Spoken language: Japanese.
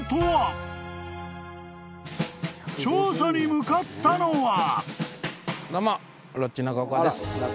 ［調査に向かったのは］